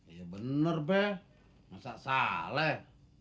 iya bener be masak salah